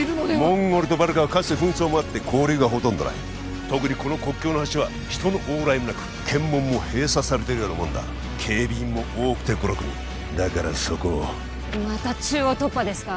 モンゴルとバルカはかつて紛争もあって交流がほとんどない特にこの国境の橋は人の往来もなく検問も閉鎖されてるようなもんだ警備員も多くて５６人だからそこをまた中央突破ですか？